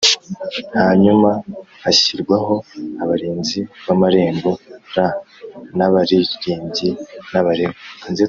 Hanyuma hashyirwaho abarinzi b amarembo r n abaririmbyi n Abalewi